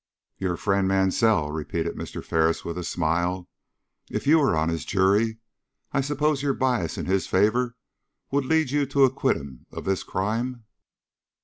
"Your friend Mansell!" repeated Mr. Ferris, with a smile. "If you were on his jury, I suppose your bias in his favor would lead you to acquit him of this crime?"